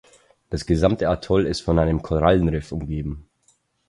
Das gesamte Atoll ist von einem Korallenriff umgeben.